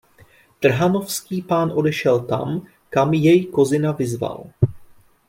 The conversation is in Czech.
Trhanovský pán odešel tam, kam jej Kozina vyzval.